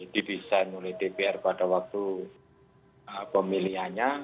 didesain oleh dpr pada waktu pemilihannya